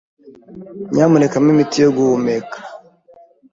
Nyamuneka mpa imiti yo guhumeka.